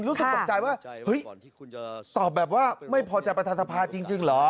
รู้สึกตกใจว่าเฮ้ยตอบแบบว่าไม่พอใจประธานสภาจริงเหรอ